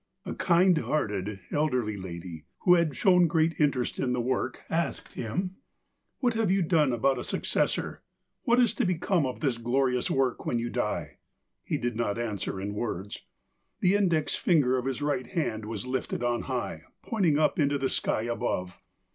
A kind hearted, eldeiiy lady, who had shown great interest in the work, asked him :'' What have you done about a successor ? What is to become of this glorious work when you die %" He did not answer in words. The index finger of his right hand was lifted on high, pointing up into the sky above.